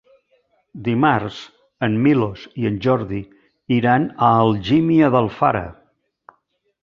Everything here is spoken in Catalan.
Dimarts en Milos i en Jordi iran a Algímia d'Alfara.